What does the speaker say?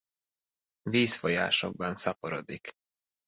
Vízfolyásokban szaporodik.